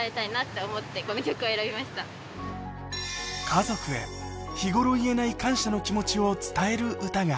家族へ日ごろ言えない感謝の気持ちを伝える歌が